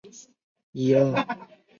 其作词家的身份获得极高的评价。